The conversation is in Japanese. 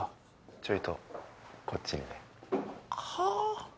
ちょいとこっちにねかあ